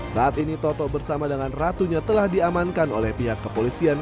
saat ini toto bersama dengan ratunya telah diamankan oleh pihak kepolisian